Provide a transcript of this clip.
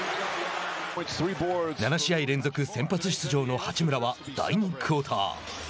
７試合連続先発出場の八村は第２クオーター。